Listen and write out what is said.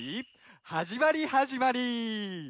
はじまりはじまり！